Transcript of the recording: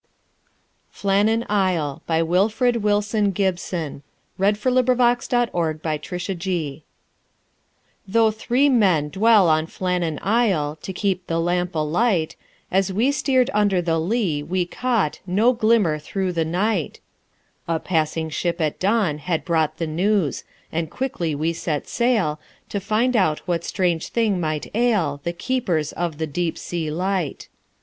cy Links to... ...other Poetry Sites Wilfrid Wilson Gibson (1878 1962) Flannan Isle "THOUGH three men dwell on Flannan Isle To keep the lamp alight, As we steered under the lee, we caught No glimmer through the night." A passing ship at dawn had brought The news; and quickly we set sail, To find out what strange thing might ail The keepers of the deep sea light.